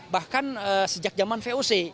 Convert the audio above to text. bahkan sejak zaman voc